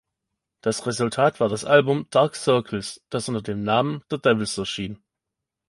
Das Resultat war das Album "Dark Circles", das unter dem Namen The Devils erschien.